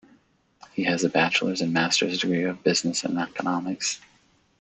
He has a bachelor's and master's degree of Business and Economics.